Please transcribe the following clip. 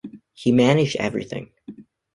He managed everything.